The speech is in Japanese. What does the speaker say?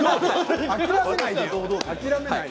諦めないで。